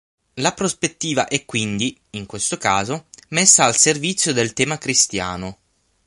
La prospettiva è quindi, in questo caso, messa al servizio del tema cristiano.